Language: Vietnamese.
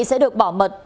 sẽ được bảo mật